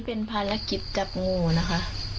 เป็นภาพลักษณ์จับงูนะคะ